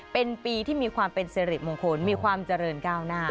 เป็นปีที่มีความเป็นสิริมงคลมีความเจริญก้าวหน้า